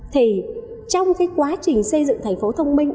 thì trong cái quá trình xây dựng thành phố thông minh